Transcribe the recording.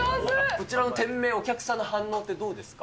こちらの店名、お客さんの反応ってどうですか？